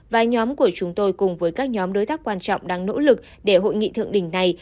và nhóm của chúng tôi cùng với các nhóm đối tác quan trọng đang nỗ lực để hội nghị thượng đỉnh này